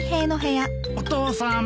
お父さん。